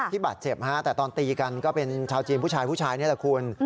ที่บาดเจ็บแต่ตอนตีกันก็เป็นชาวจีนผู้ชายนี่แหละคุณ